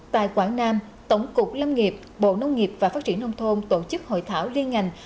tại quảng nam tổng cục lâm nghiệp bộ nông nghiệp và phát triển nông thôn tổ chức hội thảo liên ngành